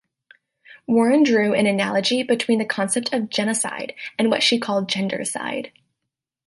Warren drew "an analogy between the concept of genocide" and what she called "gendercide".